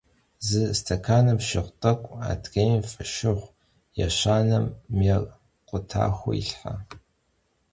Зы стэканым шыгъу тӀэкӀу, адрейм — фошыгъу, ещанэм — мел къутахуэ илъхьэ.